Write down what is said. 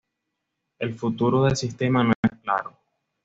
El futuro del sistema no está claro.